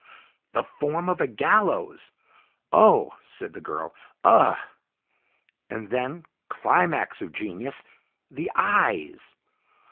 "The form of a gallows!" "Oh!" said the girl. "Ugh!" "And then climax of genius the eyes!